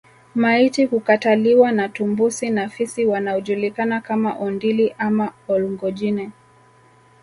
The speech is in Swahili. Maiti kukataliwa na tumbusi na fisi wanaojulikana kama Ondili ama Olngojine